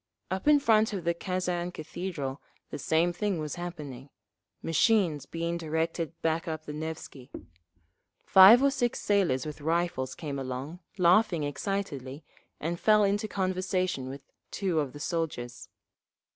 Up in front of the Kazan Cathedral the same thing was happening, machines being directed back up the Nevsky. Five or six sailors with rifles came along, laughing excitedly, and fell into conversation with two of the soldiers.